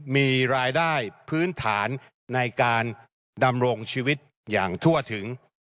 มีรายได้พื้นฐานในการดำรงชีวิตอย่างทั่วถึง